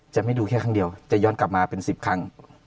จะไม่ดูแค่ครั้งเดียวแต่ย้อนกลับมาเป็น๑๐ครั้ง